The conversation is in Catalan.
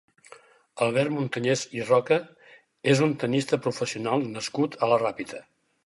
Albert Montañés i Roca és un tennista professional nascut a la Ràpita.